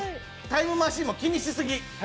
タイムマシーンも気にしすぎ。